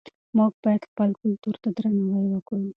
موږ باید خپل کلتور ته درناوی وکړو.